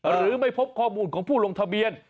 หรือไม่พบข้อมูลของผู้ลงทะเบียน